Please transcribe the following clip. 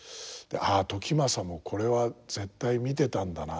「ああ時政もこれは絶対見てたんだな」